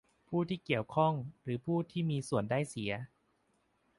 ผู้ที่เกี่ยวข้อง หรือผู้มีส่วนได้เสีย